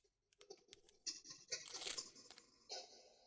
გიორგი მაჩაბელი იყო ქართველი თავადი და იტალიაში საქართველოს ელჩი.